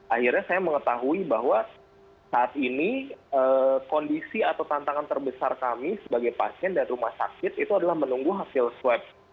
akhirnya saya mengetahui bahwa saat ini kondisi atau tantangan terbesar kami sebagai pasien dan rumah sakit itu adalah menunggu hasil swab